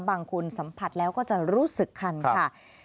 บางคนสัมผัสแล้วก็จะรู้สึกคันค่ะ